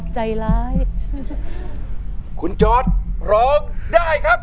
ใจร้ายคุณจอร์ดร้องได้ครับ